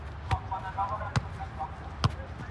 بهوم او بوم له هغې ياد پاته دي